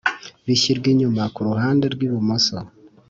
bishyirwa inyuma ku ruhande rw’ibumoso